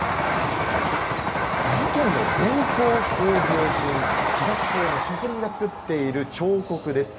岐阜県の伝統工芸品、飛騨地方の職人が作っている彫刻です。